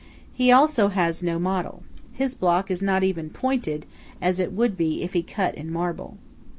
He also has no model. His block is not even pointed, as it would be if he cut in marble.